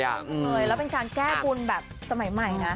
แล้วเป็นการแก้กุญแบบสมัยใหม่นะ